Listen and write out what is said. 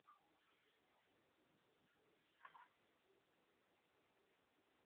কারাবন্দী থাকার সময় কবি নাজিম হিকমতের লেখা অনেক কবিতাই বিখ্যাত হয়েছে।